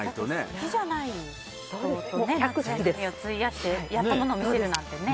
好きじゃない人とね費やしてやったものを見せるなんてね。